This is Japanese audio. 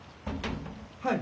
・はい！